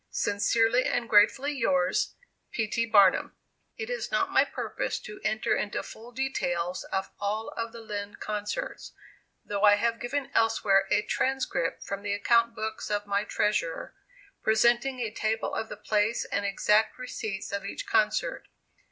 Sincerely and gratefully, yours, P. T. BARNUM. It is not my purpose to enter into full details of all of the Lind concerts, though I have given elsewhere a transcript from the account books of my treasurer, presenting a table of the place and exact receipts of each concert.